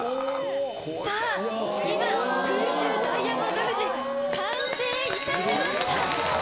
さあ、今、空中ダイヤモンド富士、完成いたしました！